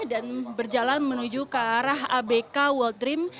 berjalan menuju ke arah abk world dream